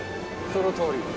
そのとおり。